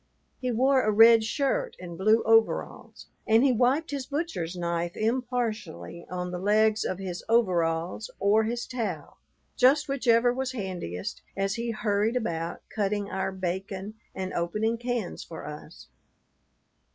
He wore a red shirt and blue overalls, and he wiped his butcher's knife impartially on the legs of his overalls or his towel, just whichever was handiest as he hurried about cutting our bacon and opening cans for us.